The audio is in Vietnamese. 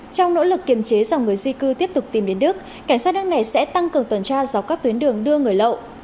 trong nỗ lực kiềm chế dòng người di cư tiếp tục tìm đến đức cảnh sát nước này sẽ tăng cường tuần tra dọc các tuyến đường đưa người lậu